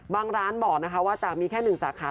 บางร้านบอกว่าจะมีแค่๑สาขา